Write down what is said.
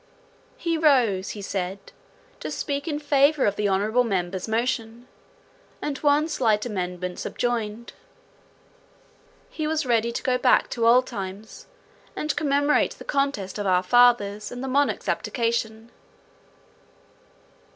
He rose, he said, to speak in favour of the honourable member's motion, with one slight amendment subjoined. He was ready to go back to old times, and commemorate the contests of our fathers, and the monarch's abdication.